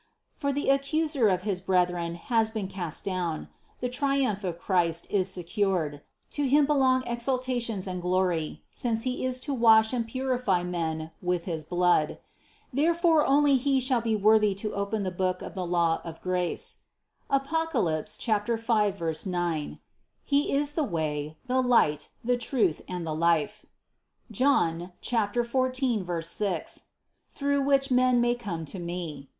For the ac cuser of his brethren has been cast down; the triumph of Christ is secured; to Him belong exaltations and glory, since He is to wash and purify men with his blood. Therefore only He shall be worthy to open the book of the law of grace (Apoc. 5, 9), He is the way, the light, the truth and the life (Joan 14, 6), through which men may come to Me.